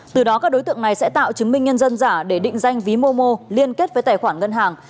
từ đó các đối tượng này sẽ tạo chứng minh nhân dân giả để định danh ví momo liên kết với tài khoản ngân hàng